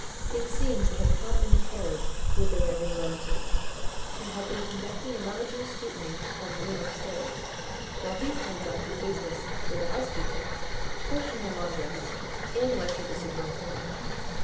It seems they had come in the carriage with their reverend relative, and had been conducting a rummaging scrutiny of the room upstairs, while he transacted business with the housekeeper, questioned the laundress, and lectured the superintendent.